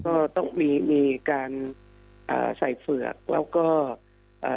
ก็ต้องมีมีการอ่าใส่เฝือกแล้วก็อ่า